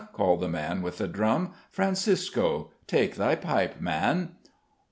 called the man with the drum. "Francisco, take thy pipe, man!